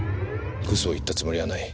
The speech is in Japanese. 嘘を言ったつもりはない。